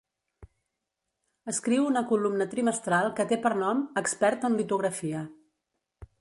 Escriu una columna trimestral que té per nom "Expert en litografia".